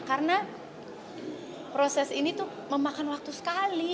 karena proses ini tuh memakan waktu sekali